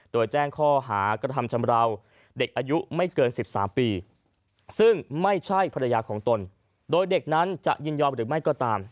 โดยแจ้งข้อหากระทำชำราวเด็กอายุไม่เกิน๑๓ปีซึ่งไม่ใช่ภรรยาของตนโดยเด็กนั้นจะยินยอมหรือไม่ก็ตาม